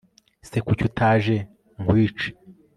ese kuki utaje nkwice